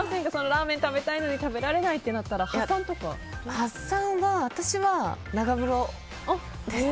ラーメン食べたいのに食べられないってなったら発散は私は長風呂です。